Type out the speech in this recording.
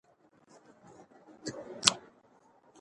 هر چا د خپلواکۍ په اړه خبرې کولې.